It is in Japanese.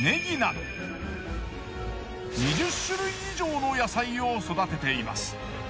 ２０種類以上の野菜を育てています。